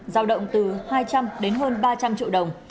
giao động từ hai trăm linh đến hơn ba trăm linh triệu đồng